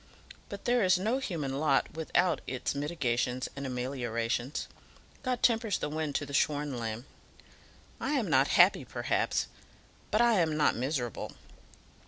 But there is no human lot without its mitigations and ameliorations. God tempers the wind to the shorn lamb. I am not happy, perhaps; but I am not miserable.